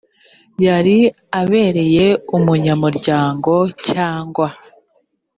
yari abereye umunyamuryango cyangwa